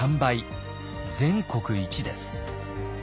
全国一です。